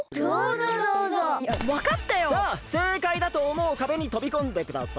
さあせいかいだとおもうかべにとびこんでください！